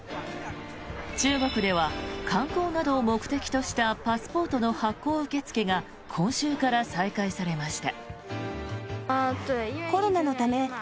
中国では観光などを目的としたパスポートの発行受付が今週から再開されました。